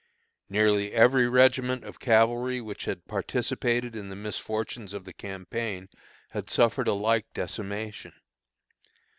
Nearly every regiment of cavalry which had participated in the misfortunes of the campaign, had suffered a like decimation.